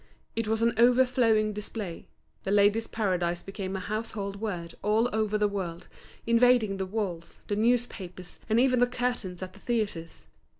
It was an overflowing display; The Ladies' Paradise became a household word all over the world, invading the walls, the newspapers, and even the curtains at the theatres.